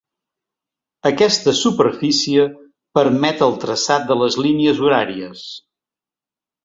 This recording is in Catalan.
Aquesta superfície permet el traçat de les línies horàries.